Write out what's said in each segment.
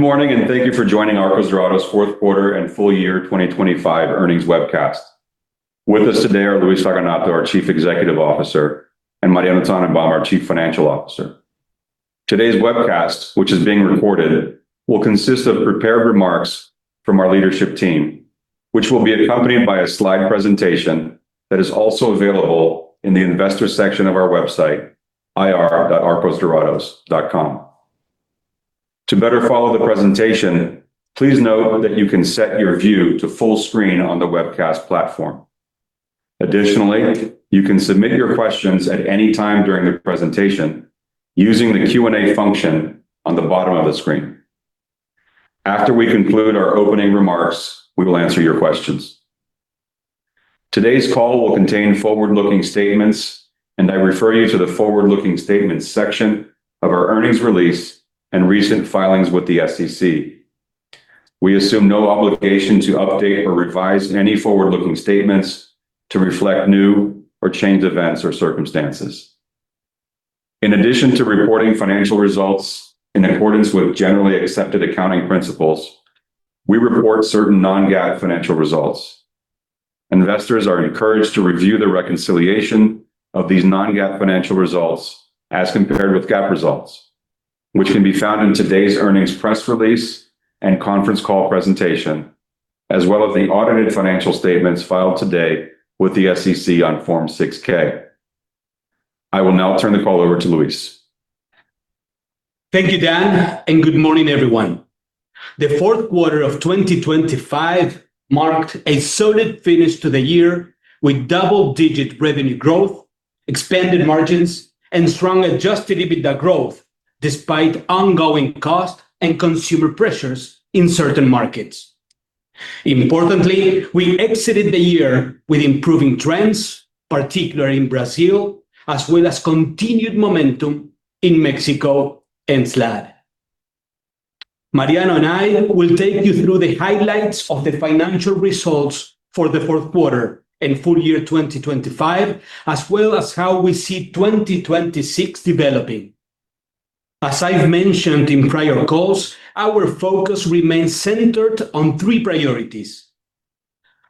Good morning and thank you for joining Arcos Dorados fourth quarter and full year 2025 earnings webcast. With us today are Luis Raganato, our Chief Executive Officer, and Mariano Tannenbaum, our Chief Financial Officer. Today's webcast, which is being recorded, will consist of prepared remarks from our leadership team, which will be accompanied by a slide presentation that is also available in the investor section of our website, ir.arcosdorados.com. To better follow the presentation, please note that you can set your view to full screen on the webcast platform. Additionally, you can submit your questions at any time during the presentation using the Q&A function on the bottom of the screen. After we conclude our opening remarks, we will answer your questions. Today's call will contain forward-looking statements, and I refer you to the forward-looking statements section of our earnings release and recent filings with the SEC. We assume no obligation to update or revise any forward-looking statements to reflect new or changed events or circumstances. In addition to reporting financial results in accordance with Generally Accepted Accounting Principles, we report certain non-GAAP financial results. Investors are encouraged to review the reconciliation of these non-GAAP financial results as compared with GAAP results, which can be found in today's earnings press release and conference call presentation, as well as the audited financial statements filed today with the SEC on Form 6-K. I will now turn the call over to Luis. Thank you, Dan, and good morning, everyone. The fourth quarter of 2025 marked a solid finish to the year with double-digit revenue growth, expanded margins, and strong adjusted EBITDA growth despite ongoing cost and consumer pressures in certain markets. Importantly, we exited the year with improving trends, particularly in Brazil, as well as continued momentum in Mexico and SLAD. Mariano and I will take you through the highlights of the financial results for the fourth quarter and full year 2025, as well as how we see 2026 developing. As I've mentioned in prior calls, our focus remains centered on three priorities.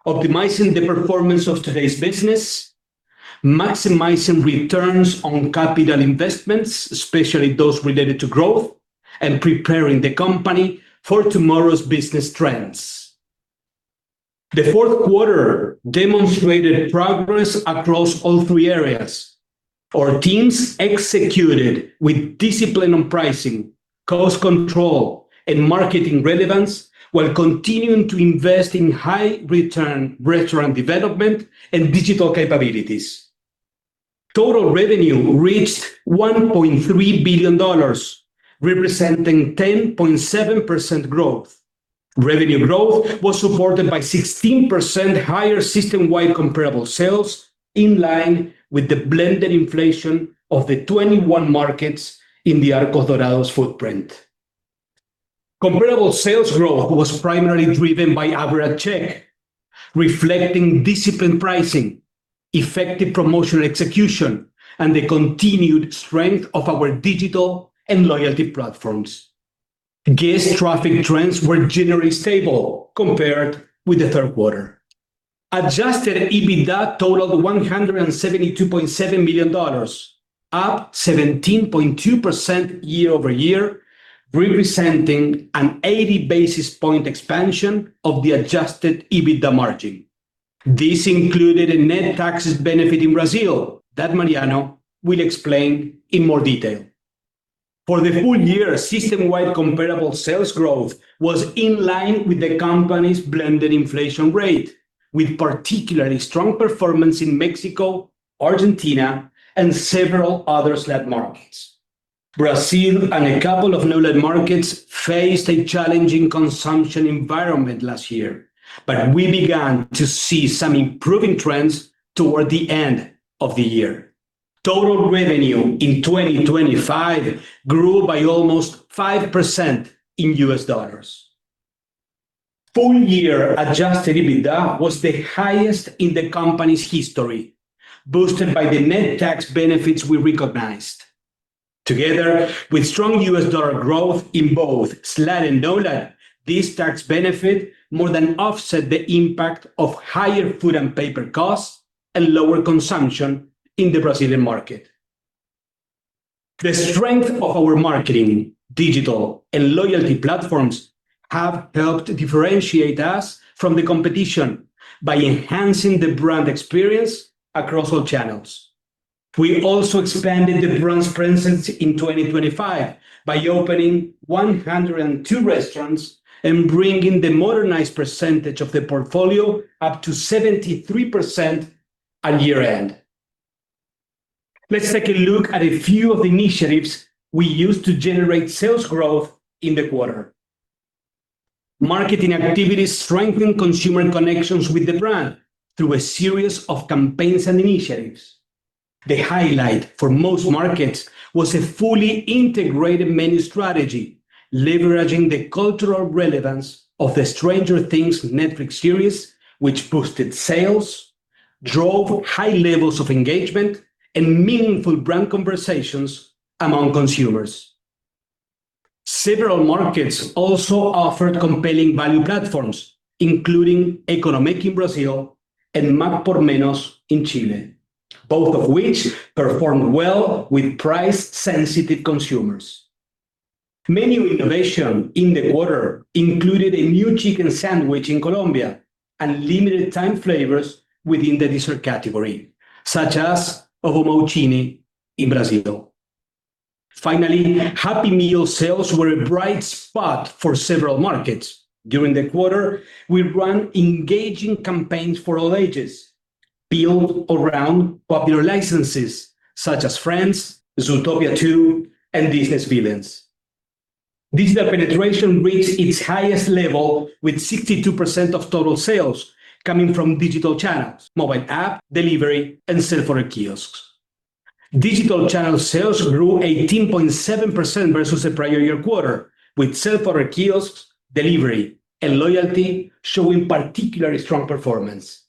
Optimizing the performance of today's business, maximizing returns on capital investments, especially those related to growth, and preparing the company for tomorrow's business trends. The fourth quarter demonstrated progress across all three areas. Our teams executed with discipline on pricing, cost control, and marketing relevance while continuing to invest in high return restaurant development and digital capabilities. Total revenue reached $1.3 billion, representing 10.7% growth. Revenue growth was supported by 16% higher system-wide comparable sales, in line with the blended inflation of the 21 markets in the Arcos Dorados footprint. Comparable sales growth was primarily driven by average check, reflecting disciplined pricing, effective promotional execution, and the continued strength of our digital and loyalty platforms. Guest traffic trends were generally stable compared with the third quarter. Adjusted EBITDA totaled $172.7 million, up 17.2% year-over-year, representing an 80 basis points expansion of the adjusted EBITDA margin. This included a net taxes benefit in Brazil that Mariano will explain in more detail. For the full year, system-wide comparable sales growth was in line with the company's blended inflation rate, with particularly strong performance in Mexico, Argentina, and several other SLAD markets. Brazil and a couple of new SLAD markets faced a challenging consumption environment last year, but we began to see some improving trends toward the end of the year. Total revenue in 2025 grew by almost 5% in U.S. dollars. Full year adjusted EBITDA was the highest in the company's history, boosted by the net tax benefits we recognized. Together with strong USD growth in both SLAD and NOLAD, this tax benefit more than offset the impact of higher food and paper costs and lower consumption in the Brazilian market. The strength of our marketing, digital, and loyalty platforms have helped differentiate us from the competition by enhancing the brand experience across all channels. We also expanded the brand's presence in 2025 by opening 102 restaurants and bringing the modernized percentage of the portfolio up to 73% at year-end. Let's take a look at a few of the initiatives we used to generate sales growth in the quarter. Marketing activities strengthen consumer connections with the brand through a series of campaigns and initiatives. The highlight for most markets was a fully integrated menu strategy leveraging the cultural relevance of the Stranger Things Netflix series, which boosted sales, drove high levels of engagement and meaningful brand conversations among consumers. Several markets also offered compelling value platforms, including Economia in Brazil and McPorMenos in Chile, both of which performed well with price-sensitive consumers. Menu innovation in the quarter included a new chicken sandwich in Colombia and limited time flavors within the dessert category, such as Ovomaltine in Brazil. Finally, Happy Meal sales were a bright spot for several markets. During the quarter, we ran engaging campaigns for all ages built around popular licenses such as Friends, Zootopia 2, and Disney's Villains. Digital penetration reached its highest level with 62% of total sales coming from digital channels, mobile app, delivery, and self-order kiosks. Digital channel sales grew 18.7% versus the prior year quarter, with self-order kiosks, delivery, and loyalty showing particularly strong performance.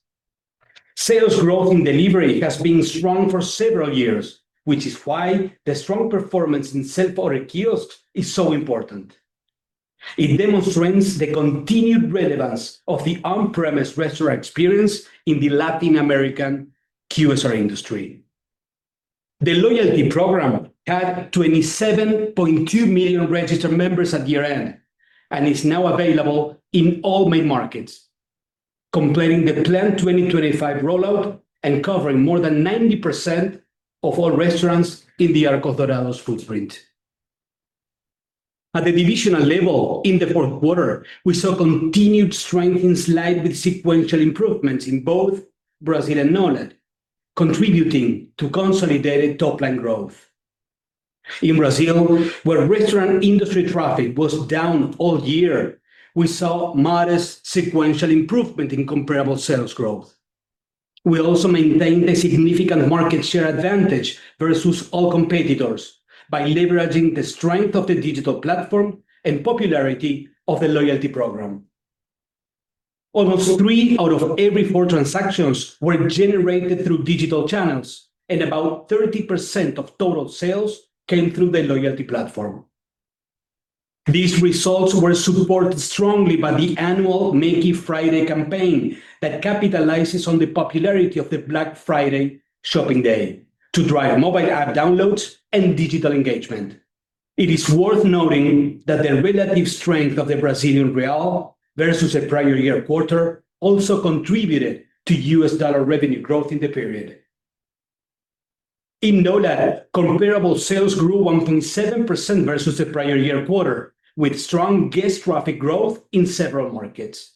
Sales growth in delivery has been strong for several years, which is why the strong performance in self-order kiosks is so important. It demonstrates the continued relevance of the on-premise restaurant experience in the Latin American QSR industry. The loyalty program had 27.2 million registered members at year-end, and is now available in all main markets, completing the planned 2025 rollout and covering more than 90% of all restaurants in the Arcos Dorados footprint. At the divisional level, in the fourth quarter, we saw continued strength in SLAD with sequential improvements in both Brazil and NOLAD, contributing to consolidated top-line growth. In Brazil, where restaurant industry traffic was down all year, we saw modest sequential improvement in comparable sales growth. We also maintained a significant market share advantage versus all competitors by leveraging the strength of the digital platform and popularity of the loyalty program. Almost three out of every four of transactions were generated through digital channels, and about 30% of total sales came through the loyalty platform. These results were supported strongly by the annual Méqui Friday campaign that capitalizes on the popularity of the Black Friday shopping day to drive mobile app downloads and digital engagement. It is worth noting that the relative strength of the Brazilian real versus the prior year quarter also contributed to U.S. dollar revenue growth in the period. In NOLAD, comparable sales grew 1.7% versus the prior year quarter, with strong guest traffic growth in several markets.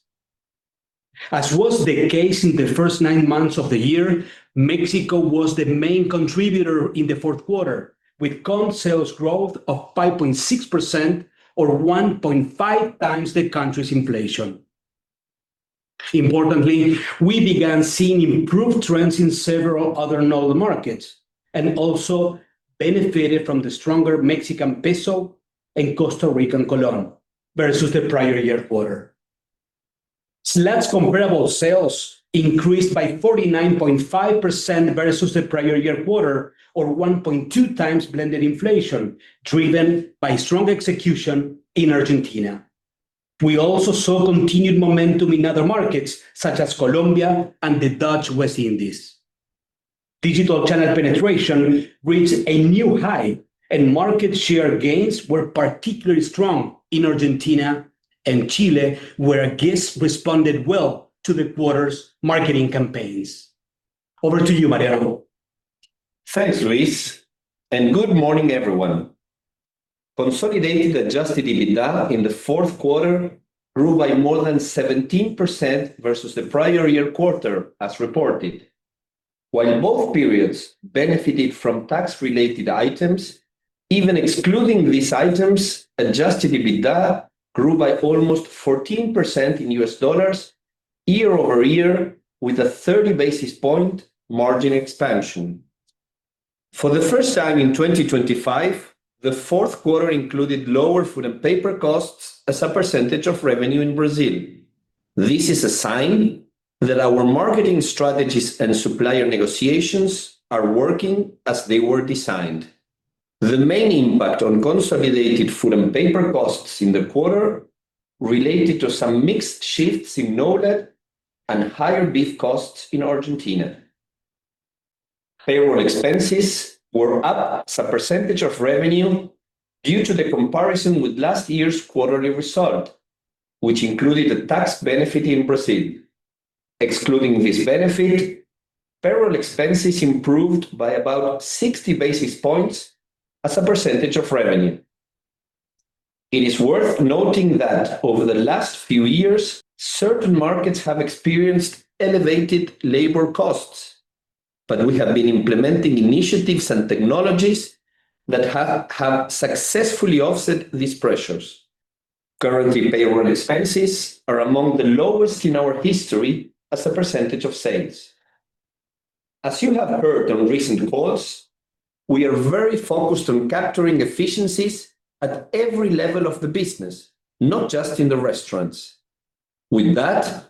As was the case in the first nine months of the year, Mexico was the main contributor in the fourth quarter, with comp sales growth of 5.6% or 1.5x the country's inflation. Importantly, we began seeing improved trends in several other NOLAD markets and also benefited from the stronger Mexican peso and Costa Rican colón versus the prior year quarter. SLAD's comparable sales increased by 49.5% versus the prior year quarter or 1.2x blended inflation, driven by strong execution in Argentina. We also saw continued momentum in other markets such as Colombia and the Dutch West Indies. Digital channel penetration reached a new high, and market share gains were particularly strong in Argentina and Chile, where guests responded well to the quarter's marketing campaigns. Over to you, Mariano. Thanks, Luis, and good morning, everyone. Consolidated adjusted EBITDA in the fourth quarter grew by more than 17% versus the prior year quarter as reported. While both periods benefited from tax-related items, even excluding these items, adjusted EBITDA grew by almost 14% in USD year-over-year with a 30 basis point margin expansion. For the first time in 2025, the fourth quarter included lower food and paper costs as a percentage of revenue in Brazil. This is a sign that our marketing strategies and supplier negotiations are working as they were designed. The main impact on consolidated food and paper costs in the quarter related to some mixed shifts in NOLAD and higher beef costs in Argentina. Payroll expenses were up as a percentage of revenue due to the comparison with last year's quarterly result, which included a tax benefit in Brazil. Excluding this benefit, payroll expenses improved by about 60 basis points as a percentage of revenue. It is worth noting that over the last few years, certain markets have experienced elevated labor costs, but we have been implementing initiatives and technologies that have successfully offset these pressures. Currently, payroll expenses are among the lowest in our history as a percentage of sales. As you have heard on recent calls, we are very focused on capturing efficiencies at every level of the business, not just in the restaurants. With that,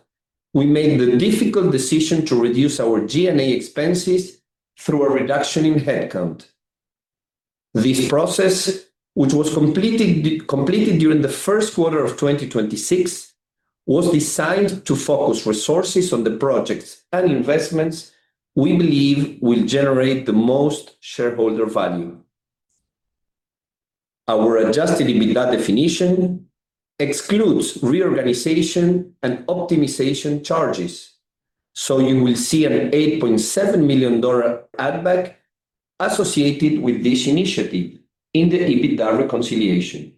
we made the difficult decision to reduce our G&A expenses through a reduction in headcount. This process, which was completed during the first quarter of 2026, was designed to focus resources on the projects and investments we believe will generate the most shareholder value. Our adjusted EBITDA definition excludes reorganization and optimization charges, so you will see an $8.7 million add back associated with this initiative in the EBITDA reconciliation.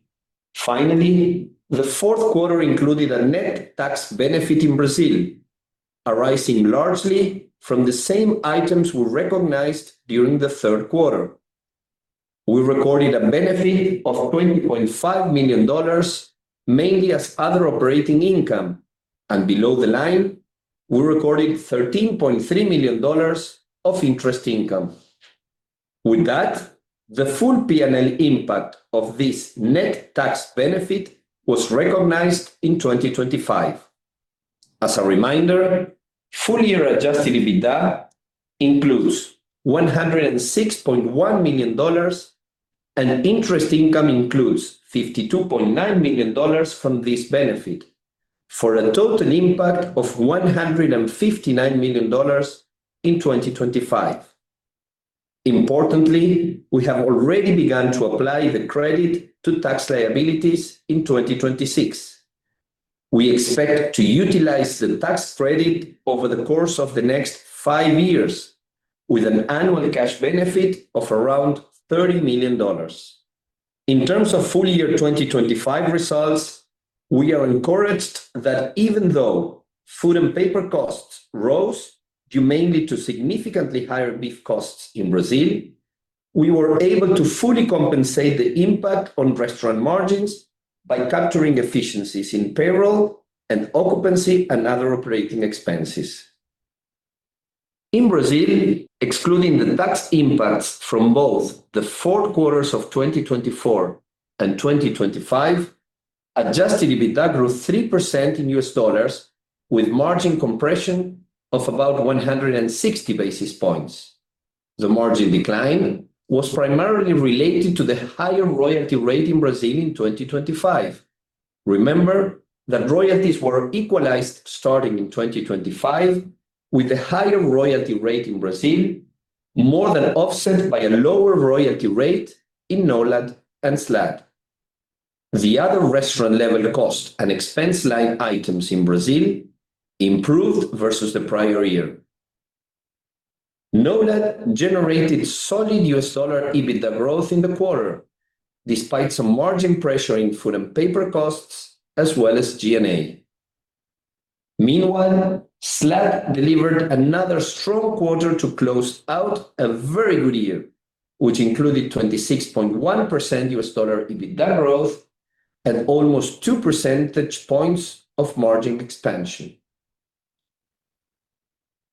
Finally, the fourth quarter included a net tax benefit in Brazil, arising largely from the same items we recognized during the third quarter. We recorded a benefit of $20.5 million, mainly as other operating income. Below the line, we recorded $13.3 million of interest income. With that, the full P&L impact of this net tax benefit was recognized in 2025. As a reminder, full year adjusted EBITDA includes $106.1 million, and interest income includes $52.9 million from this benefit, for a total impact of $159 million in 2025. Importantly, we have already begun to apply the credit to tax liabilities in 2026. We expect to utilize the tax credit over the course of the next five years with an annual cash benefit of around $30 million. In terms of full year 2025 results, we are encouraged that even though food and paper costs rose, due mainly to significantly higher beef costs in Brazil, we were able to fully compensate the impact on restaurant margins by capturing efficiencies in payroll and occupancy and other operating expenses. In Brazil, excluding the tax impacts from both the fourth quarters of 2024 and 2025, adjusted EBITDA grew 3% in USD, with margin compression of about 160 basis points. The margin decline was primarily related to the higher royalty rate in Brazil in 2025. Remember that royalties were equalized starting in 2025, with a higher royalty rate in Brazil more than offset by a lower royalty rate in NOLAD and SLAD. The other restaurant level cost and expense line items in Brazil improved versus the prior year. NOLAD generated solid USD EBITDA growth in the quarter, despite some margin pressure in food and paper costs as well as G&A. Meanwhile, SLAD delivered another strong quarter to close out a very good year, which included 26.1% USD EBITDA growth and almost two percentage points of margin expansion.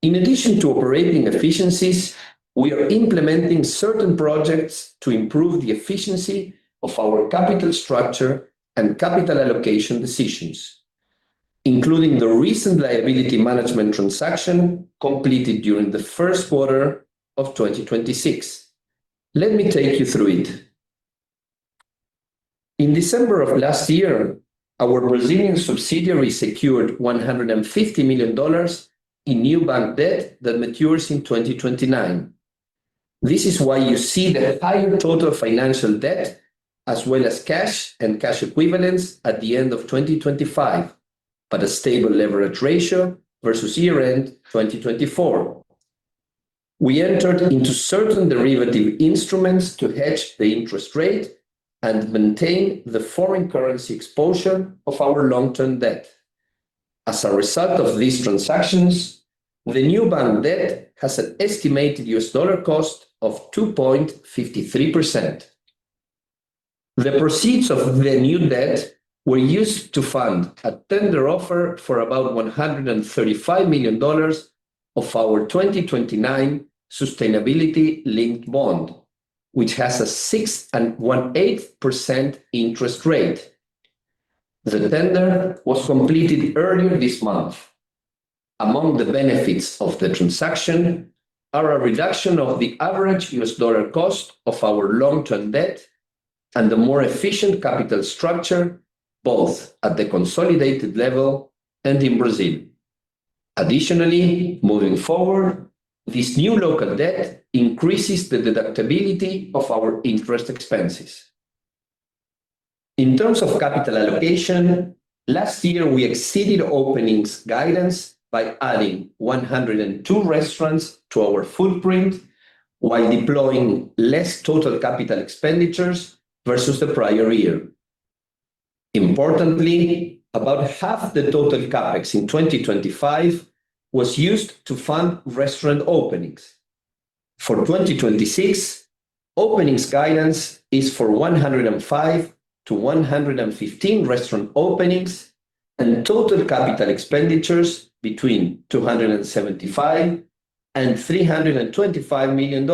In addition to operating efficiencies, we are implementing certain projects to improve the efficiency of our capital structure and capital allocation decisions, including the recent liability management transaction completed during the first quarter of 2026. Let me take you through it. In December of last year, our Brazilian subsidiary secured $150 million in new bank debt that matures in 2029. This is why you see the higher total financial debt as well as cash and cash equivalents at the end of 2025, but a stable leverage ratio versus year-end 2024. We entered into certain derivative instruments to hedge the interest rate and maintain the foreign currency exposure of our long-term debt. As a result of these transactions, the new bank debt has an estimated U.S. dollar cost of 2.53%. The proceeds of the new debt were used to fund a tender offer for about $135 million of our 2029 sustainability-linked bond, which has a 6.18% interest rate. The tender was completed earlier this month. Among the benefits of the transaction are a reduction of the average U.S. dollar cost of our long-term debt and a more efficient capital structure, both at the consolidated level and in Brazil. Additionally, moving forward, this new local debt increases the deductibility of our interest expenses. In terms of capital allocation, last year we exceeded openings guidance by adding 102 restaurants to our footprint while deploying less total capital expenditures versus the prior year. Importantly, about half the total CapEx in 2025 was used to fund restaurant openings. For 2026, openings guidance is for 105-115 restaurant openings and total capital expenditures between $275-325 million.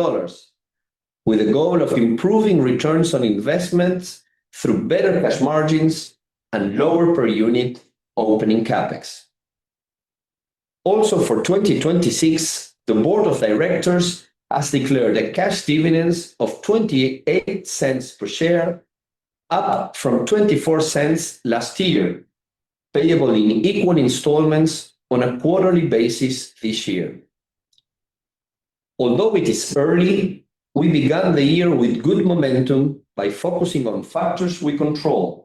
With a goal of improving returns on investments through better cash margins and lower per unit opening CapEx. Also, for 2026, the board of directors has declared a cash dividends of $0.28 per share, up from $0.24 last year, payable in equal installments on a quarterly basis this year. Although it is early, we began the year with good momentum by focusing on factors we control.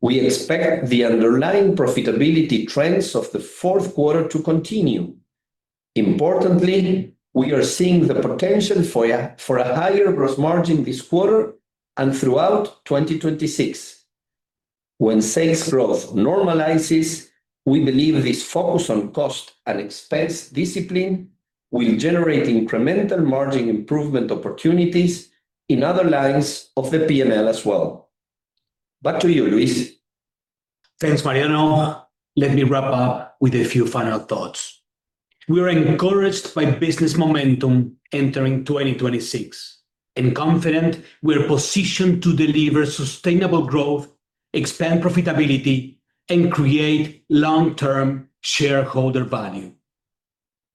We expect the underlying profitability trends of the fourth quarter to continue. Importantly, we are seeing the potential for a higher gross margin this quarter and throughout 2026. When sales growth normalizes, we believe this focus on cost and expense discipline will generate incremental margin improvement opportunities in other lines of the P&L as well. Back to you, Luis. Thanks, Mariano. Let me wrap up with a few final thoughts. We are encouraged by business momentum entering 2026 and confident we're positioned to deliver sustainable growth, expand profitability, and create long-term shareholder value.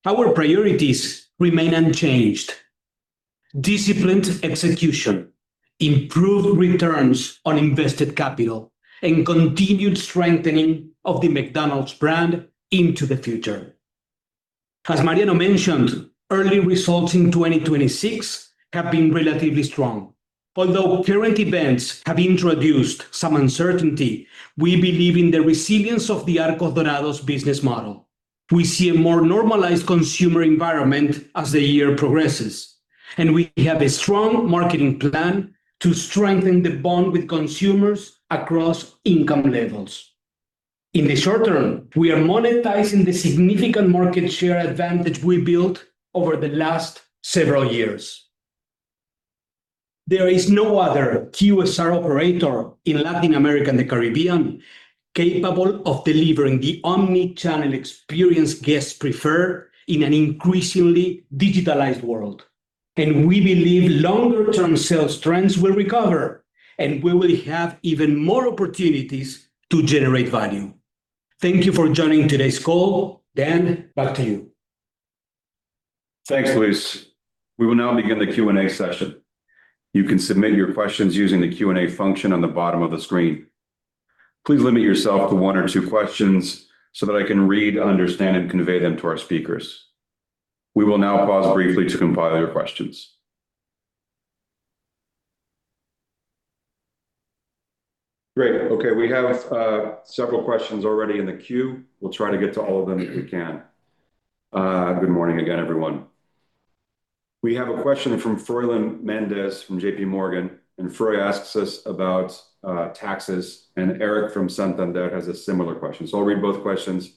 Our priorities remain unchanged. Disciplined execution, improved returns on invested capital, and continued strengthening of the McDonald's brand into the future. As Mariano mentioned, early results in 2026 have been relatively strong. Although current events have introduced some uncertainty, we believe in the resilience of the Arcos Dorados business model. We see a more normalized consumer environment as the year progresses, and we have a strong marketing plan to strengthen the bond with consumers across income levels. In the short term, we are monetizing the significant market share advantage we built over the last several years. There is no other QSR operator in Latin America and the Caribbean capable of delivering the omni-channel experience guests prefer in an increasingly digitalized world. We believe longer-term sales trends will recover, and we will have even more opportunities to generate value. Thank you for joining today's call. Dan, back to you. Thanks, Luis. We will now begin the Q&A session. You can submit your questions using the Q&A function on the bottom of the screen. Please limit yourself to one or two questions so that I can read, understand and convey them to our speakers. We will now pause briefly to compile your questions. Great. Okay, we have several questions already in the queue. We'll try to get to all of them if we can. Good morning again, everyone. We have a question from Froylan Mendez from JPMorgan, and Froylan asks us about taxes, and Erik from Santander has a similar question. I'll read both questions,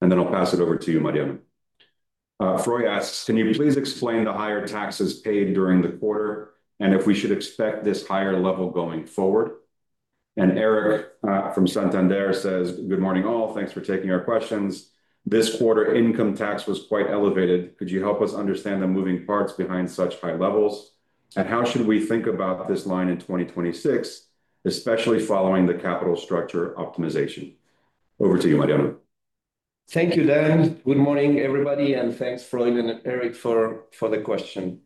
and then I'll pass it over to you, Mariano. Froylan asks, "Can you please explain the higher taxes paid during the quarter, and if we should expect this higher level going forward?" Erik from Santander says, "Good morning, all. Thanks for taking our questions. This quarter, income tax was quite elevated. Could you help us understand the moving parts behind such high levels, and how should we think about this line in 2026, especially following the capital structure optimization?" Over to you, Mariano. Thank you, Dan. Good morning, everybody, and thanks, Froylan and Erik for the question.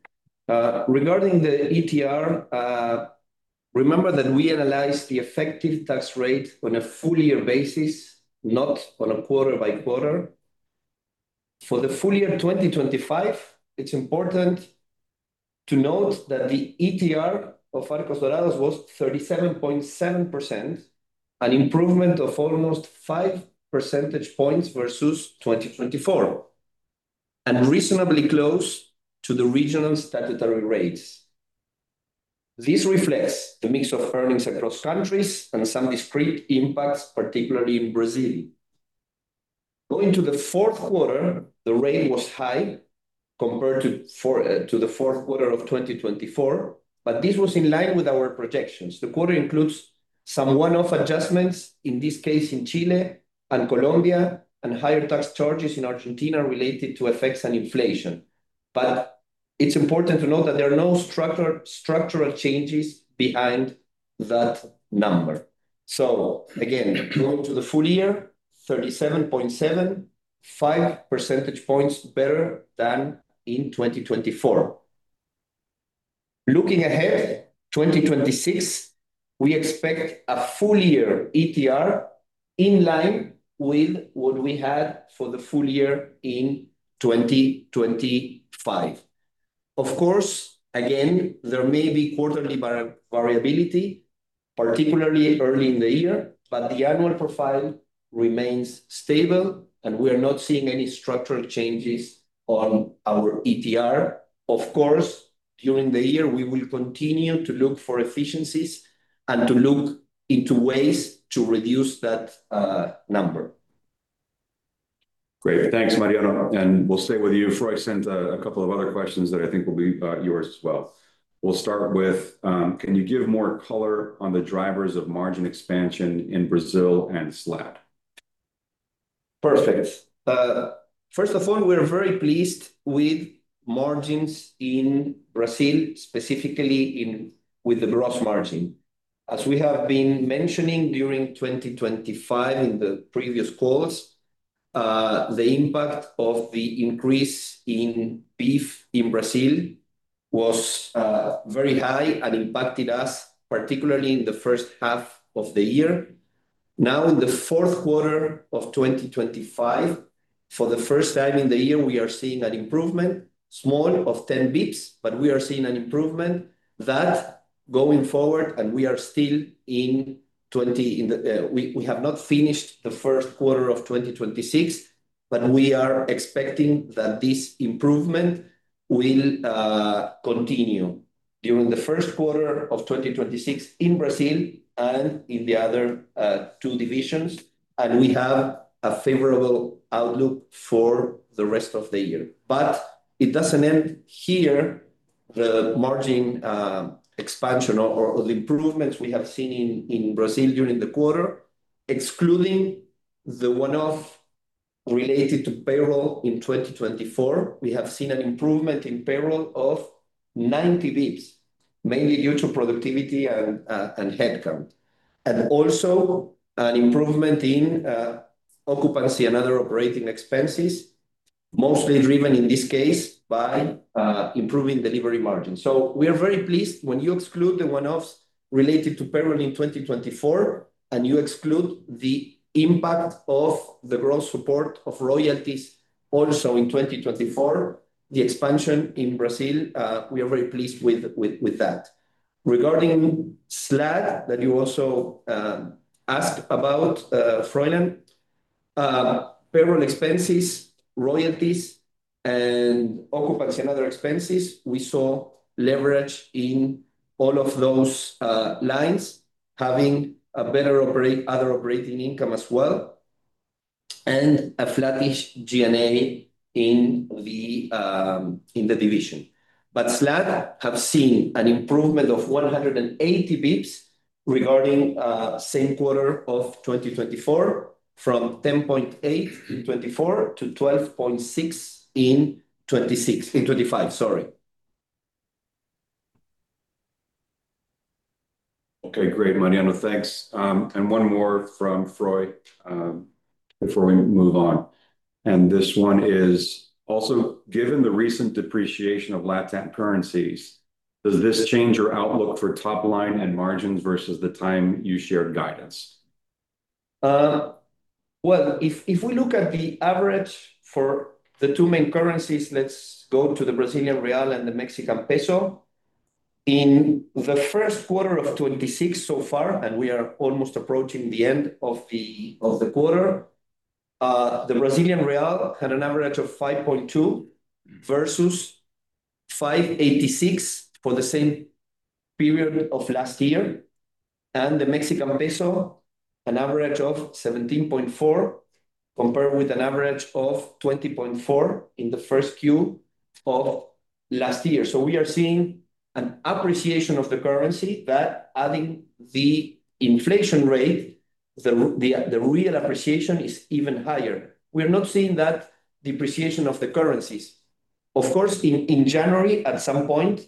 Regarding the ETR, remember that we analyze the effective tax rate on a full year basis, not on a quarter by quarter. For the full year 2025, it's important to note that the ETR of Arcos Dorados was 37.7%, an improvement of almost five percentage points versus 2024 and reasonably close to the regional statutory rates. This reflects the mix of earnings across countries and some discrete impacts, particularly in Brazil. Going to the fourth quarter, the rate was high compared to the fourth quarter of 2024, but this was in line with our projections. The quarter includes some one-off adjustments, in this case in Chile and Colombia, and higher tax charges in Argentina related to effects on inflation. It's important to note that there are no structural changes behind that number. Again, going to the full year, 37.7, five percentage points better than in 2024. Looking ahead, 2026, we expect a full year ETR in line with what we had for the full year in 2025. Of course, again, there may be quarterly variability, particularly early in the year, but the annual profile remains stable, and we are not seeing any structural changes on our ETR. Of course, during the year, we will continue to look for efficiencies and to look into ways to reduce that number. Great. Thanks, Mariano. We'll stay with you. Froylan sent a couple of other questions that I think will be yours as well. We'll start with, can you give more color on the drivers of margin expansion in Brazil and SLAD? Perfect. First of all, we're very pleased with margins in Brazil, specifically with the gross margin. As we have been mentioning during 2025 in the previous calls, the impact of the increase in beef in Brazil was very high and impacted us particularly in the first half of the year. Now, in the fourth quarter of 2025, for the first time in the year, we are seeing an improvement, small of 10 basis points, but we are seeing an improvement that going forward, and we have not finished the first quarter of 2026, but we are expecting that this improvement will continue during the first quarter of 2026 in Brazil and in the other two divisions, and we have a favorable outlook for the rest of the year. It doesn't end here, the margin expansion or the improvements we have seen in Brazil during the quarter, excluding the one-off related to payroll in 2024. We have seen an improvement in payroll of 90 basis points, mainly due to productivity and headcount, and also an improvement in occupancy and other operating expenses, mostly driven in this case by improving delivery margins. We are very pleased when you exclude the one-offs related to payroll in 2024, and you exclude the impact of the gross-up of royalties also in 2024, the expansion in Brazil we are very pleased with that. Regarding SLAD that you also asked about, Froylan, payroll expenses, royalties, and occupancy and other expenses, we saw leverage in all of those lines having a better other operating income as well, and a flattish G&A in the division. SLAD have seen an improvement of 180 basis points regarding same quarter of 2024 from 10.8% in 2024 to 12.6% in 2026. In 2025, sorry. Okay. Great, Mariano. Thanks. One more from Froylan, before we move on, and this one is also: Given the recent depreciation of LatAm currencies, does this change your outlook for top line and margins versus the time you shared guidance? Well, if we look at the average for the two main currencies, let's go to the Brazilian real and the Mexican peso. In the first quarter of 2026 so far, and we are almost approaching the end of the quarter, the Brazilian real had an average of 5.2 versus 5.86 for the same period of last year. The Mexican peso, an average of 17.4, compared with an average of 20.4 in the first Q of last year. We are seeing an appreciation of the currency that adding the inflation rate, the real appreciation is even higher. We're not seeing that depreciation of the currencies. Of course, in January, at some point,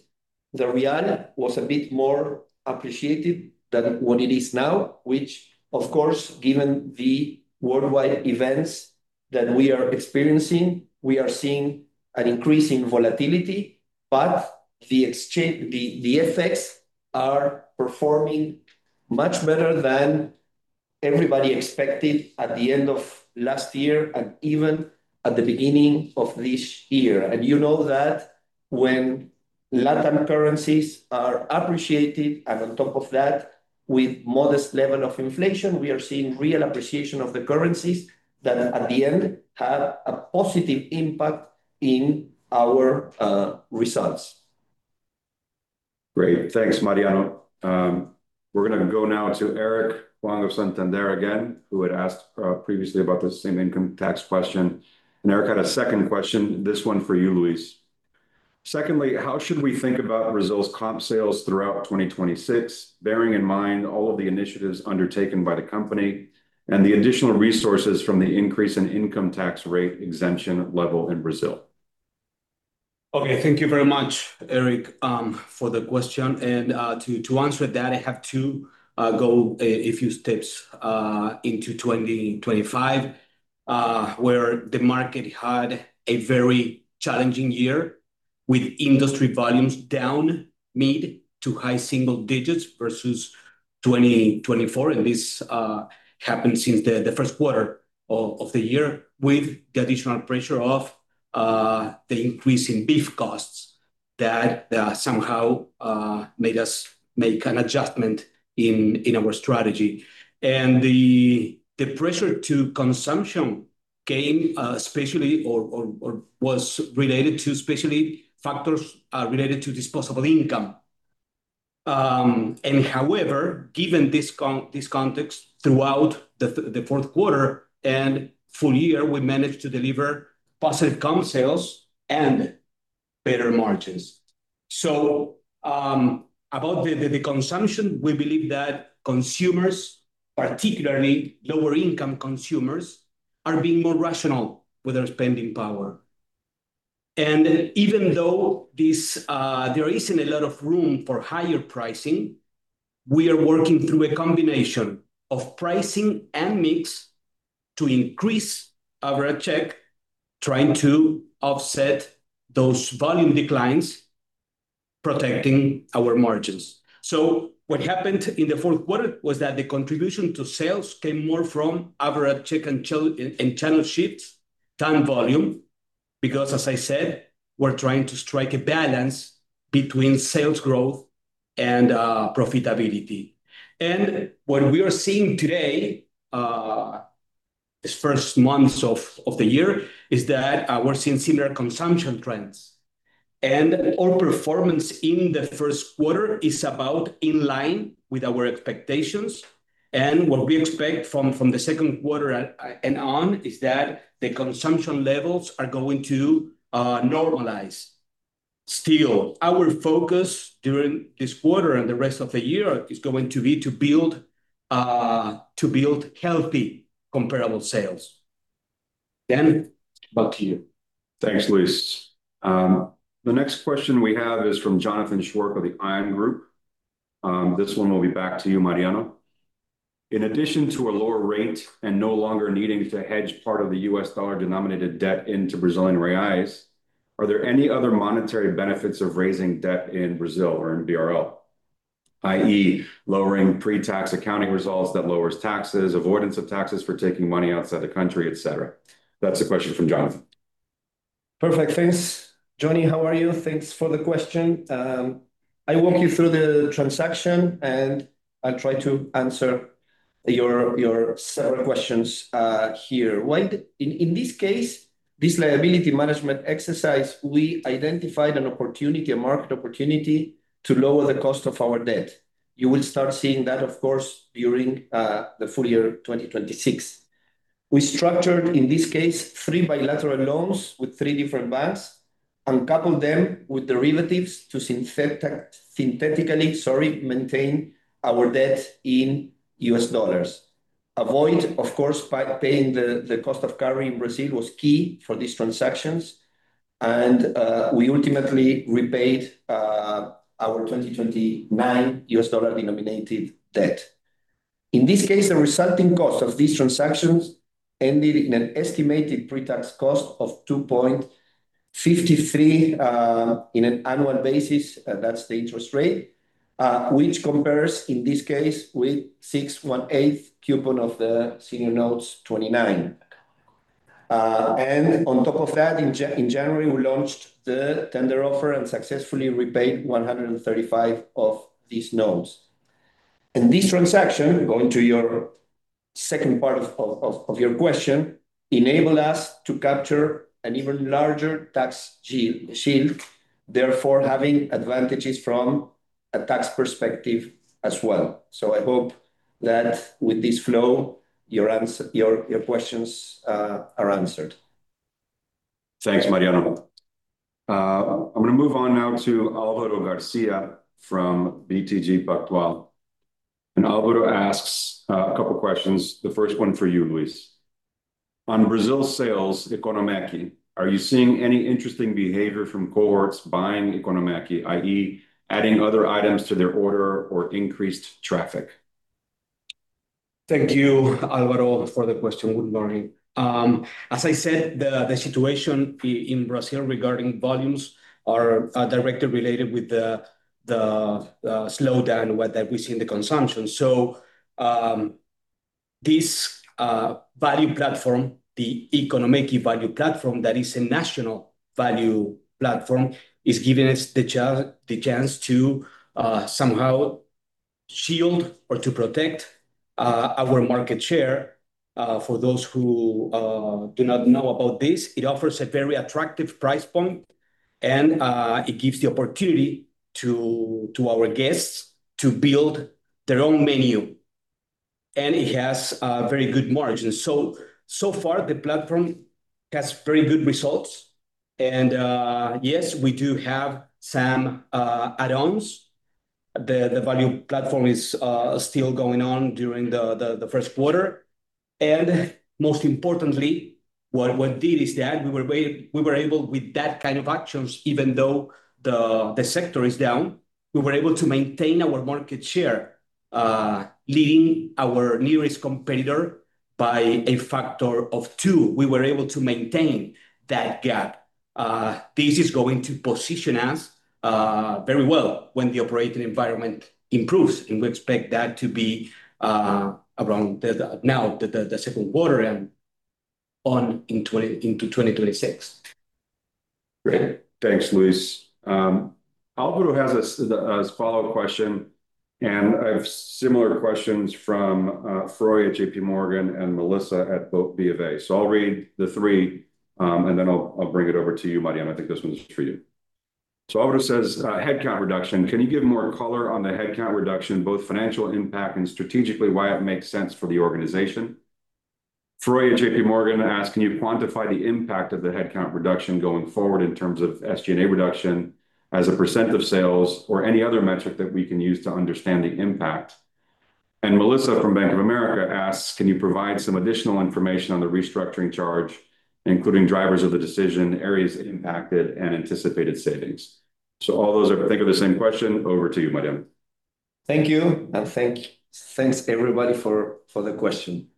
the real was a bit more appreciated than what it is now, which of course, given the worldwide events that we are experiencing, we are seeing an increase in volatility. The FX are performing much better than everybody expected at the end of last year and even at the beginning of this year. You know that when LatAm currencies are appreciated and on top of that, with modest level of inflation, we are seeing real appreciation of the currencies that at the end have a positive impact in our results. Great. Thanks, Mariano. We're gonna go now to Erik Wong of Santander again, who had asked previously about the same income tax question. Erik had a second question, this one for you, Luis. Secondly, how should we think about Brazil's comp sales throughout 2026, bearing in mind all of the initiatives undertaken by the company and the additional resources from the increase in income tax rate exemption level in Brazil? Okay. Thank you very much, Erik, for the question. To answer that, I have to go a few steps into 2025, where the market had a very challenging year with industry volumes down mid- to high-single digits versus 2024. This happened since the first quarter of the year with the additional pressure of the increase in beef costs that somehow made us make an adjustment in our strategy. The pressure to consumption was related to especially factors related to disposable income. However, given this context throughout the fourth quarter and full year, we managed to deliver positive comp sales and better margins. About the consumption, we believe that consumers, particularly lower income consumers, are being more rational with their spending power. Even though there isn't a lot of room for higher pricing, we are working through a combination of pricing and mix to increase our check, trying to offset those volume declines, protecting our margins. What happened in the fourth quarter was that the contribution to sales came more from average check and channel shifts than volume because, as I said, we're trying to strike a balance between sales growth and profitability. What we are seeing today, these first months of the year, is that we're seeing similar consumption trends. Our performance in the first quarter is about in line with our expectations. What we expect from the second quarter and on is that the consumption levels are going to normalize. Still, our focus during this quarter and the rest of the year is going to be to build healthy comparable sales. Dan, back to you. Thanks, Luis. The next question we have is from Jonathan Szwarc of The Lion Group. This one will be back to you, Mariano. In addition to a lower rate and no longer needing to hedge part of the U.S. dollar-denominated debt into Brazilian reais, are there any other monetary benefits of raising debt in Brazil or in BRL? i.e., lowering pre-tax accounting results that lowers taxes, avoidance of taxes for taking money outside the country, et cetera. That's a question from Jonathan. Perfect. Thanks. Joni, how are you? Thanks for the question. I walk you through the transaction, and I try to answer your several questions here. In this case, this liability management exercise, we identified an opportunity, a market opportunity to lower the cost of our debt. You will start seeing that, of course, during the full year of 2026. We structured, in this case, three bilateral loans with three different banks and coupled them with derivatives to synthetically maintain our debt in U.S. dollars. Avoiding, of course, paying the cost of carry in Brazil was key for these transactions. We ultimately repaid our 2029 U.S. dollar-denominated debt. In this case, the resulting cost of these transactions ended in an estimated pre-tax cost of 2.53% in an annual basis. That's the interest rate, which compares, in this case, with 618 coupon of the senior notes 2029. On top of that, in January, we launched the tender offer and successfully repaid $135 of these notes. This transaction, going to your second part of your question, enable us to capture an even larger tax shield, therefore, having advantages from a tax perspective as well. I hope that with this flow, your questions are answered. Thanks, Mariano. I'm gonna move on now to Alvaro Garcia from BTG Pactual. Alvaro asks a couple questions. The first one for you, Luis. On Brazil sales, Economia, are you seeing any interesting behavior from cohorts buying Economia, i.e., adding other items to their order or increased traffic? Thank you, Alvaro, for the question. Good morning. As I said, the situation in Brazil regarding volumes are directly related with the slowdown that we see in the consumption. This value platform, the Economia value platform, that is a national value platform, is giving us the chance to somehow shield or to protect our market share. For those who do not know about this, it offers a very attractive price point, and it gives the opportunity to our guests to build their own menu. It has very good margins. So far, the platform has very good results. Yes, we do have some add-ons. The value platform is still going on during the first quarter. Most importantly, what it did is that we were able with that kind of actions, even though the sector is down, we were able to maintain our market share, leading our nearest competitor by a factor of two. We were able to maintain that gap. This is going to position us very well when the operating environment improves, and we expect that to be around the second quarter and on into 2026. Great. Thanks, Luis. Alvaro has a follow question, and I have similar questions from Froylan at JPMorgan and Melissa at BofA. I'll read the three, and then I'll bring it over to you, Mariano. I think this one's for you. Alvaro says, headcount reduction. Can you give more color on the headcount reduction, both financial impact and strategically why it makes sense for the organization? Froylan at JPMorgan asked, "Can you quantify the impact of the headcount reduction going forward in terms of SG&A reduction as a percent of sales or any other metric that we can use to understand the impact?" And Melissa from Bank of America asks, "Can you provide some additional information on the restructuring charge, including drivers of the decision, areas impacted, and anticipated savings?" All those, I think, are the same question. Over to you, Mariano. Thank you. Thanks, everybody, for the question.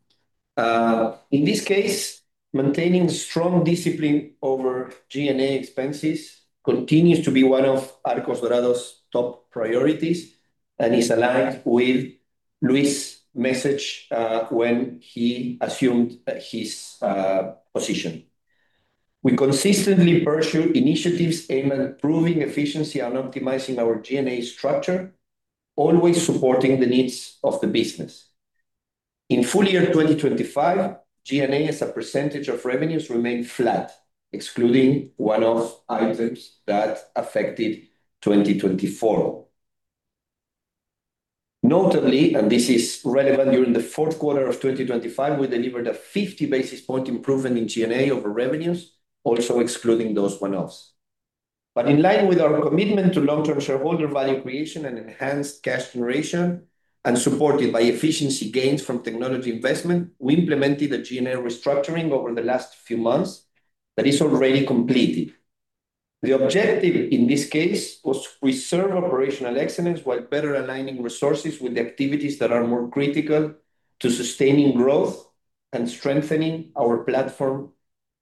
In this case, maintaining strong discipline over G&A expenses continues to be one of Arcos Dorados' top priorities and is aligned with Luis' message, when he assumed his position. We consistently pursue initiatives aimed at improving efficiency and optimizing our G&A structure, always supporting the needs of the business. In full year 2025, G&A, as a percentage of revenues, remained flat, excluding one-off items that affected 2024. Notably, and this is relevant, during the fourth quarter of 2025, we delivered a 50 basis point improvement in G&A over revenues, also excluding those one-offs. In line with our commitment to long-term shareholder value creation and enhanced cash generation, and supported by efficiency gains from technology investment, we implemented a G&A restructuring over the last few months that is already completed. The objective in this case was to preserve operational excellence while better aligning resources with the activities that are more critical to sustaining growth and strengthening our platform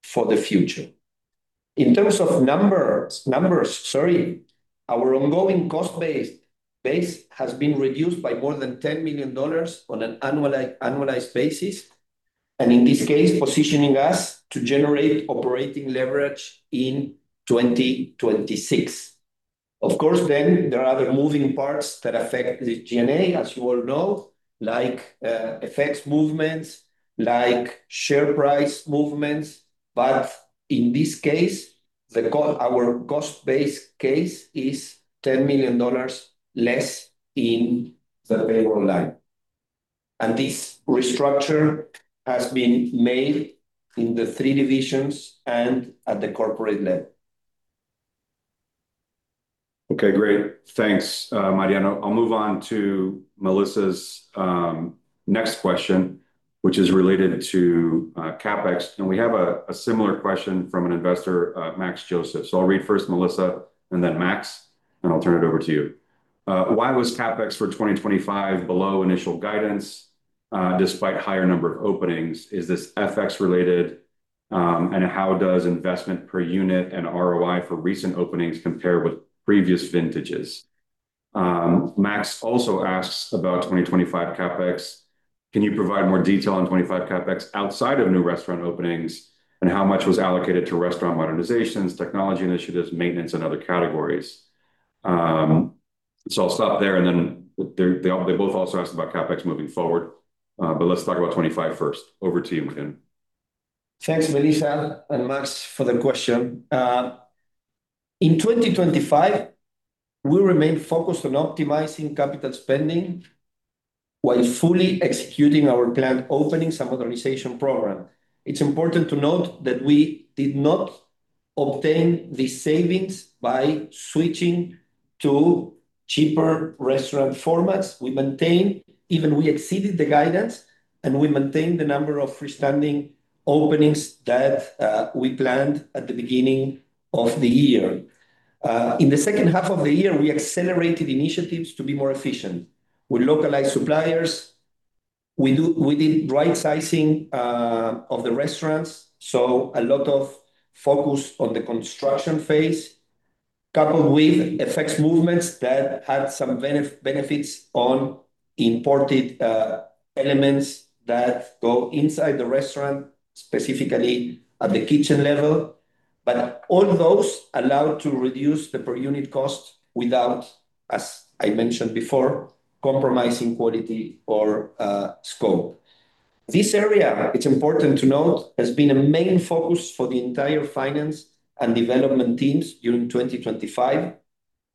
for the future. In terms of numbers, sorry, our ongoing cost base has been reduced by more than $10 million on an annualized basis, and in this case, positioning us to generate operating leverage in 2026. Of course, then there are other moving parts that affect the G&A, as you all know, like, FX movements, like share price movements. But in this case, our cost base case is $10 million less in the payroll line. This restructure has been made in the three divisions and at the corporate level. Okay, great. Thanks, Mariano. I'll move on to Melissa's next question, which is related to CapEx. We have a similar question from an investor, Max Joseph. I'll read first Melissa and then Max, and I'll turn it over to you. Why was CapEx for 2025 below initial guidance, despite higher number of openings? Is this FX related? And how does investment per unit and ROI for recent openings compare with previous vintages? Max also asks about 2025 CapEx. Can you provide more detail on 2025 CapEx outside of new restaurant openings, and how much was allocated to restaurant modernizations, technology initiatives, maintenance, and other categories? I'll stop there, and then they both also asked about CapEx moving forward. Let's talk about 2025 first. Over to you again. Thanks, Melissa and Max, for the question. In 2025, we remained focused on optimizing capital spending while fully executing our planned opening and modernization program. It's important to note that we did not obtain the savings by switching to cheaper restaurant formats. We maintained, even exceeded the guidance, and we maintained the number of freestanding openings that we planned at the beginning of the year. In the second half of the year, we accelerated initiatives to be more efficient. We localized suppliers. We did right sizing of the restaurants, so a lot of focus on the construction phase, coupled with FX movements that had some benefits on imported elements that go inside the restaurant, specifically at the kitchen level. All those allowed to reduce the per unit cost without, as I mentioned before, compromising quality or scope. This area, it's important to note, has been a main focus for the entire finance and development teams during 2025,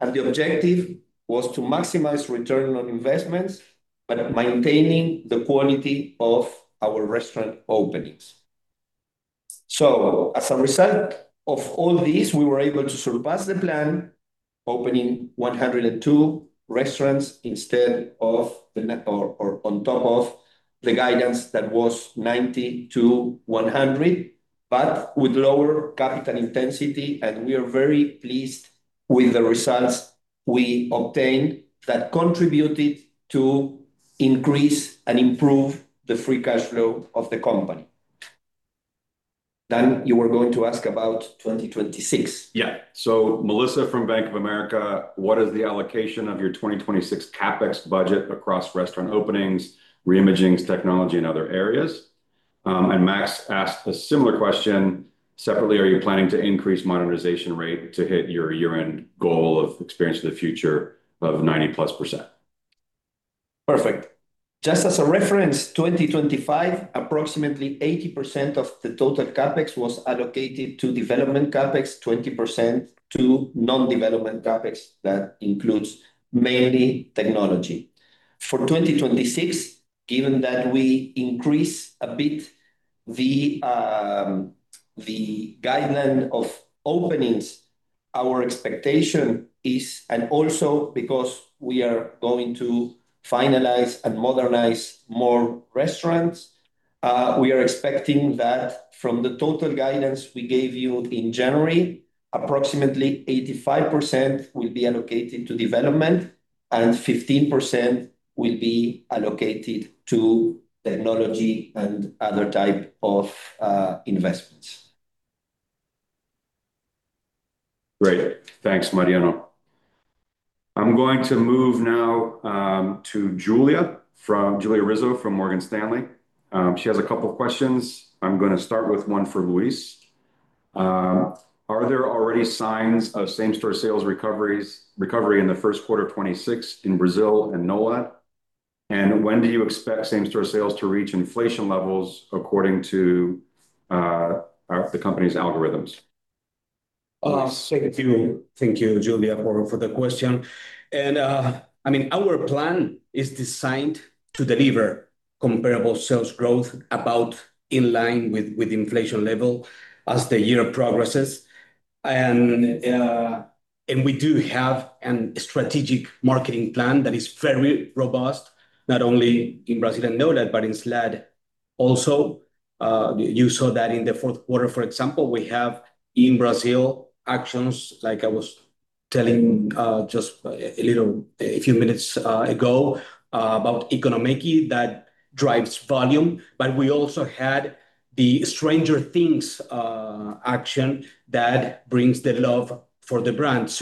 and the objective was to maximize return on investments, but maintaining the quality of our restaurant openings. As a result of all this, we were able to surpass the plan, opening 102 restaurants instead of or on top of the guidance that was 90-100, but with lower capital intensity, and we are very pleased with the results we obtained that contributed to increase and improve the free cash flow of the company. You were going to ask about 2026. Yeah. Melissa from Bank of America, what is the allocation of your 2026 CapEx budget across restaurant openings, reimaging technology, and other areas? Max asked a similar question separately. Are you planning to increase modernization rate to hit your year-end goal of Experience of the Future of 90%+? Perfect. Just as a reference, 2025, approximately 80% of the total CapEx was allocated to development CapEx, 20% to non-development CapEx. That includes mainly technology. For 2026, given that we increase the guideline of openings, our expectation is, and also because we are going to finalize and modernize more restaurants, we are expecting that from the total guidance we gave you in January, approximately 85% will be allocated to development and 15% will be allocated to technology and other type of investments. Great. Thanks, Mariano. I'm going to move now to Julia Rizzo from Morgan Stanley. She has a couple questions. I'm gonna start with one for Luis. Are there already signs of same-store sales recovery in the first quarter of 2026 in Brazil and NOLAD? And when do you expect same-store sales to reach inflation levels according to the company's algorithms? Thank you. Thank you, Julia, for the question. I mean, our plan is designed to deliver comparable sales growth about in line with inflation level as the year progresses. We do have a strategic marketing plan that is very robust, not only in Brazil and NOLAD but in SLAD also. You saw that in the fourth quarter, for example. We have in Brazil actions like I was telling just a few minutes ago about Economia that drives volume. But we also had the Stranger Things action that brings the love for the brand.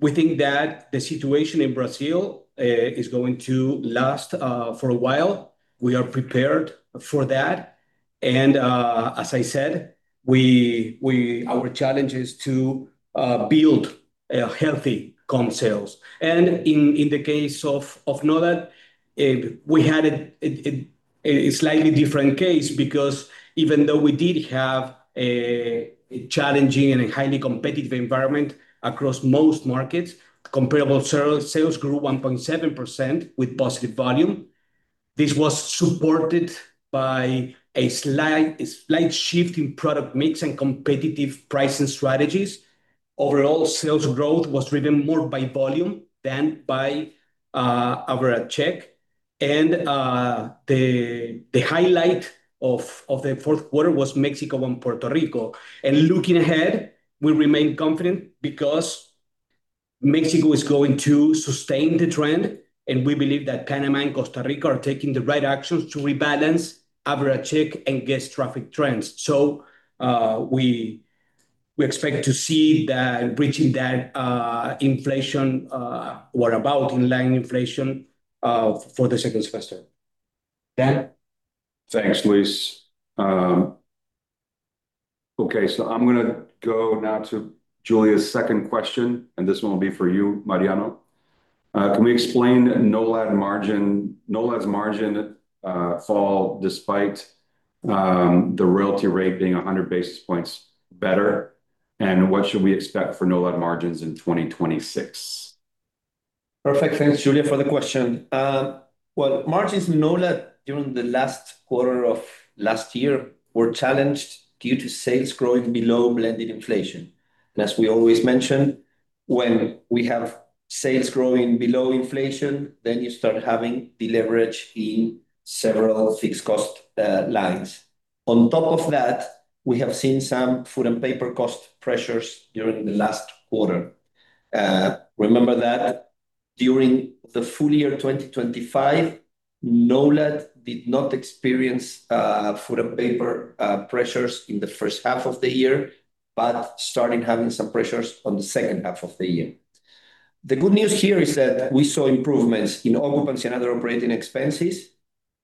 We think that the situation in Brazil is going to last for a while. We are prepared for that. As I said, our challenge is to build a healthy comp sales. In the case of NOLAD, we had a slightly different case because even though we did have a challenging and a highly competitive environment across most markets, comparable sales grew 1.7% with positive volume. This was supported by a slight shift in product mix and competitive pricing strategies. Overall, sales growth was driven more by volume than by average check. The highlight of the fourth quarter was Mexico and Puerto Rico. Looking ahead, we remain confident because Mexico is going to sustain the trend, and we believe that Panama and Costa Rica are taking the right actions to rebalance average check and guest traffic trends. We expect to see that bridging inflation or about in line inflation for the second semester. Dan? Thanks, Luis. I'm gonna go now to Julia's second question, and this one will be for you, Mariano. Can we explain NOLAD's margin fall despite the royalty rate being 100 basis points better? What should we expect for NOLADmargins in 2026? Perfect. Thanks, Julia, for the question. Margins in NOLAD during the last quarter of last year were challenged due to sales growing below blended inflation. As we always mention, when we have sales growing below inflation, then you start having deleverage in several fixed cost lines. On top of that, we have seen some food and paper cost pressures during the last quarter. Remember that during the full year of 2025, NOLAD did not experience food and paper pressures in the first half of the year, but started having some pressures on the second half of the year. The good news here is that we saw improvements in occupancy and other operating expenses,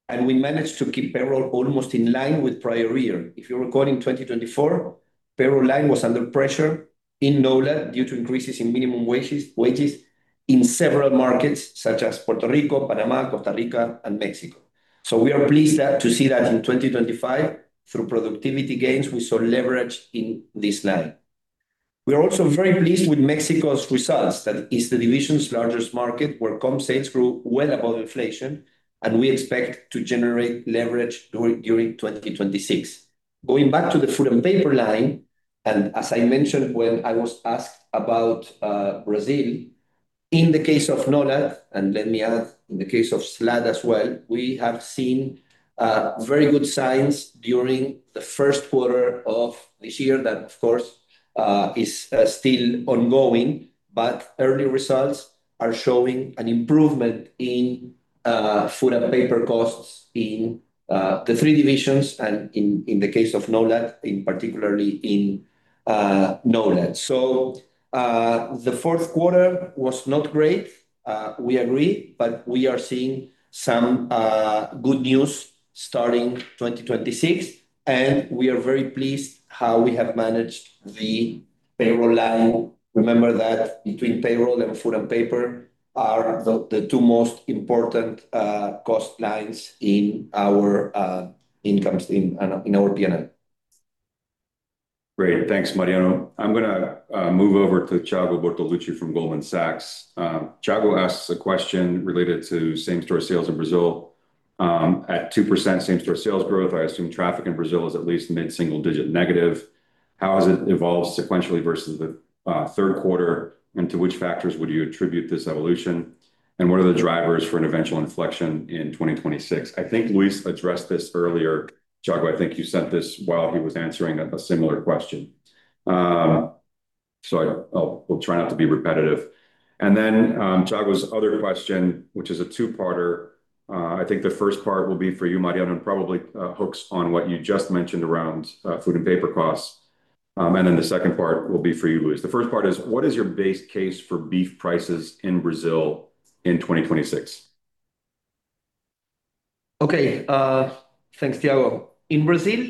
and we managed to keep payroll almost in line with prior year. If you recall in 2024, payroll line was under pressure in NOLAD due to increases in minimum wages in several markets such as Puerto Rico, Panama, Costa Rica, and Mexico. We are pleased to see that in 2025 through productivity gains, we saw leverage in this line. We are also very pleased with Mexico's results. That is the division's largest market, where comp sales grew well above inflation, and we expect to generate leverage during 2026. Going back to the food and paper line, and as I mentioned when I was asked about Brazil, in the case of NOLAD, and let me add in the case of SLAD as well, we have seen very good signs during the first quarter of this year that, of course, is still ongoing. Early results are showing an improvement in food and paper costs in the three divisions and in the case of NOLAD, in particular in NOLAD. The fourth quarter was not great, we agree, but we are seeing some good news starting 2026, and we are very pleased how we have managed the payroll line. Remember that between payroll and food and paper are the two most important cost lines in our incomes in our P&L. Great. Thanks, Mariano. I'm gonna move over to Thiago Bortoluzzi from Goldman Sachs. Thiago asks a question related to same-store sales in Brazil, at 2% same-store sales growth, I assume traffic in Brazil is at least mid-single digit negative. How has it evolved sequentially versus the third quarter? To which factors would you attribute this evolution? What are the drivers for an eventual inflection in 2026? I think Luis addressed this earlier. Thiago, I think you sent this while he was answering a similar question. So I'll, we'll try not to be repetitive. Thiago's other question, which is a two-parter, I think the first part will be for you, Mariano, and probably hooks on what you just mentioned around food and paper costs. The second part will be for you, Luis. The first part is. What is your base case for beef prices in Brazil in 2026? Okay. Thanks, Thiago. In Brazil,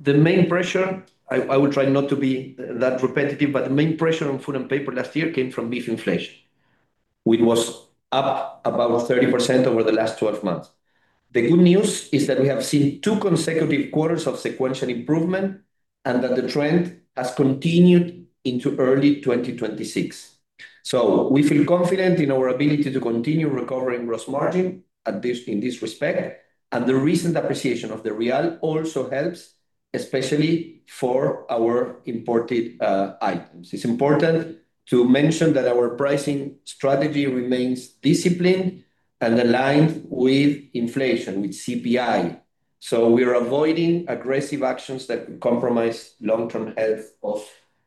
the main pressure, I will try not to be that repetitive, but the main pressure on food and paper last year came from beef inflation, which was up about 30% over the last 12 months. The good news is that we have seen two consecutive quarters of sequential improvement and that the trend has continued into early 2026. We feel confident in our ability to continue recovering gross margin in this respect. The recent appreciation of the real also helps, especially for our imported items. It's important to mention that our pricing strategy remains disciplined and aligned with inflation, with CPI. We are avoiding aggressive actions that could compromise long-term health of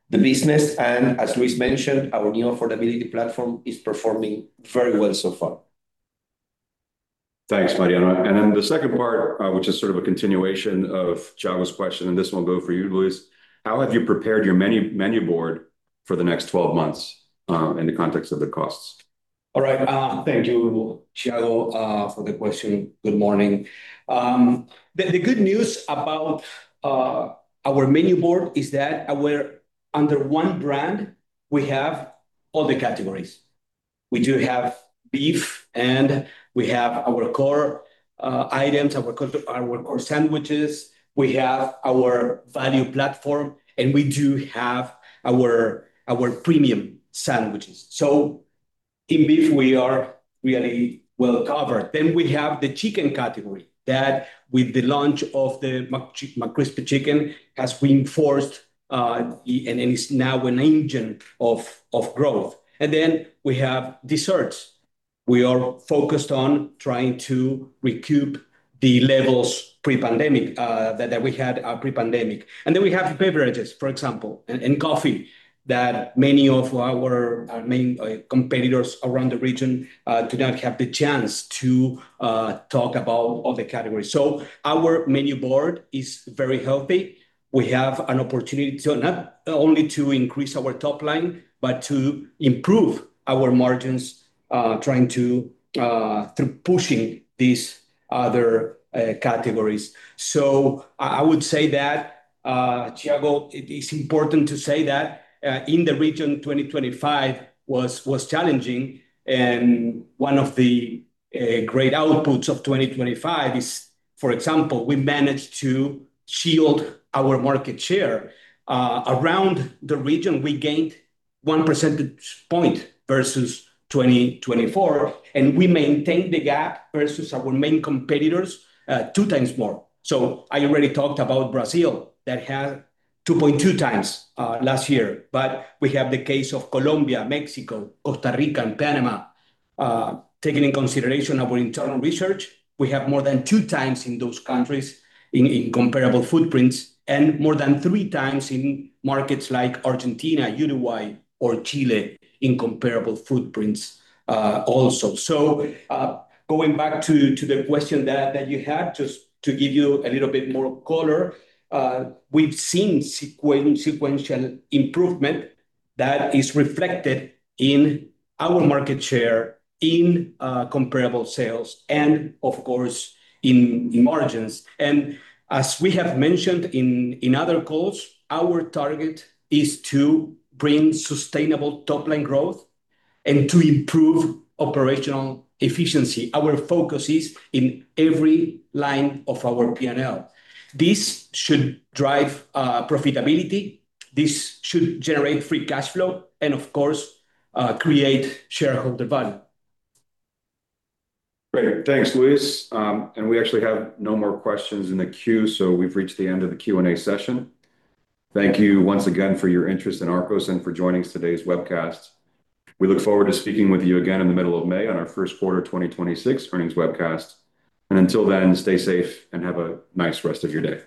the business. As Luis mentioned, our new affordability platform is performing very well so far. Thanks, Mariano. The second part, which is sort of a continuation of Thiago's question, and this one will go for you, Luis. How have you prepared your menu board for the next 12 months in the context of the costs? All right. Thank you, Thiago, for the question. Good morning. The good news about our menu board is that we're under one brand. We have all the categories. We do have beef, and we have our core items, our core sandwiches. We have our value platform, and we do have our premium sandwiches. In beef, we are really well covered. We have the chicken category that with the launch of the McCrispy Chicken has reinforced, and is now an engine of growth. We have desserts. We are focused on trying to recoup the levels pre-pandemic that we had pre-pandemic. We have beverages, for example, and coffee that many of our main competitors around the region do not have the chance to talk about all the categories. Our menu board is very healthy. We have an opportunity to not only to increase our top line, but to improve our margins, trying to through pushing these other categories. I would say that, Thiago, it is important to say that, in the region 2025 was challenging and one of the great outputs of 2025 is, for example, we managed to shield our market share. Around the region, we gained one percentage point versus 2024, and we maintained the gap versus our main competitors, 2x more. I already talked about Brazil that had 2.2x last year. We have the case of Colombia, Mexico, Costa Rica, and Panama, taking in consideration our internal research, we have more than 2x in those countries in comparable footprints and more than 3x in markets like Argentina, Uruguay, or Chile in comparable footprints, also. Going back to the question that you had, just to give you a little bit more color, we've seen sequential improvement that is reflected in our market share in comparable sales and of course in margins. As we have mentioned in other calls, our target is to bring sustainable top-line growth and to improve operational efficiency. Our focus is in every line of our P&L. This should drive profitability. This should generate free cash flow and of course, create shareholder value. Great. Thanks, Luis. We actually have no more questions in the queue, so we've reached the end of the Q&A session. Thank you once again for your interest in Arcos and for joining today's webcast. We look forward to speaking with you again in the middle of May on our first quarter 2026 earnings webcast. Until then, stay safe and have a nice rest of your day.